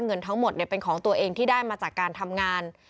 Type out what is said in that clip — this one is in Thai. เงินทั้งหมดเป็นของตัวเองที่ได้มาจากการทำงาน